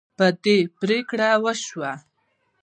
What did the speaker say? په دې پریکړه وشوه.